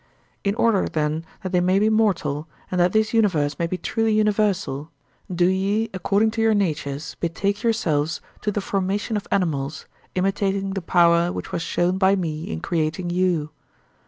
In order then that they may be mortal, and that this universe may be truly universal, do ye, according to your natures, betake yourselves to the formation of animals, imitating the power which was shown by me in creating you.